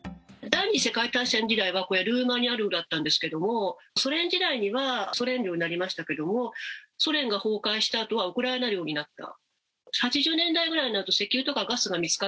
第２次世界大戦時代はルーマニア領だったんですがソ連時代にはソ連領になりましたがソ連が崩壊した後はウクライナ領になった。